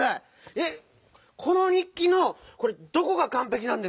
えっこのにっきのこれどこがかんぺきなんですか？